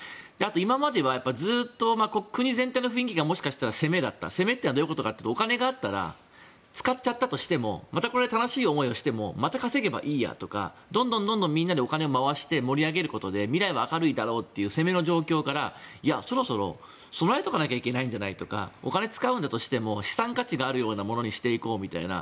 今まではずっと国全体の雰囲気がもしかしたら攻めだった攻めとはどういうことかというとお金があったら使っちゃったとしてもまた楽しい思いをしてもまた稼げばいいやとかどんどんみんなでお金を回して盛り上げることで未来は明るいだろうという攻めの状況からいや、そろそろ備えておかないといけないんじゃないとかお金を使うとしても資産価値があるものにしていこうみたいな。